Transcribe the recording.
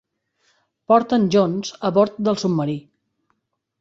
Porten Jones a bord del submarí.